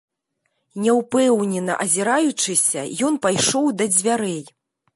Няўпэўнена азіраючыся, ён пайшоў да дзвярэй.